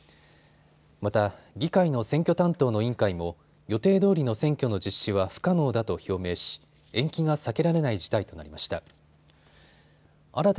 また議会の選挙担当の委員会も予定どおりの選挙の実施は不可能だと表明し延期が避けられない事態となりました。